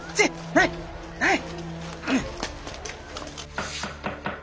はいはい。